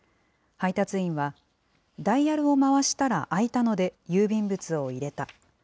配達員は、ダイヤルを回したら開いたので、郵便物を入れた。